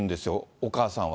お母さんは。